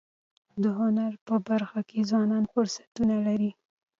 د هنر په برخه کي ځوانان فرصتونه لري.